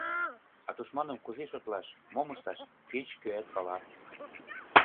А тушманым кузе шотлаш, мом ышташ — кеч-кӧат пала.